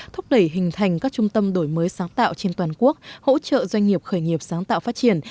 thúc đẩy hình thành các trung tâm đổi mới sáng tạo trên toàn quốc hỗ trợ doanh nghiệp khởi nghiệp sáng tạo phát triển